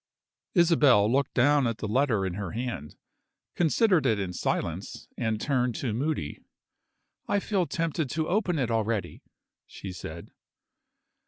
ISABEL looked down at the letter in her hand considered it in silence and turned to Moody. "I feel tempted to open it already," she said.